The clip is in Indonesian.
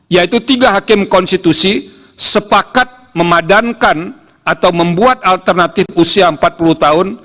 yaitu tiga hakim konstitusi sepakat memadankan atau membuat alternatif usia empat puluh tahun